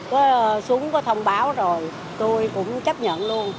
có xuống có thông báo rồi tôi cũng chấp nhận luôn